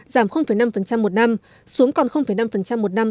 giảm năm một năm xuống còn năm một năm